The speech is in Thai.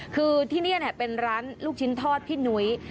คือที่นี่เป็นร้านลูกชิ้นทอดพี่นุ้ย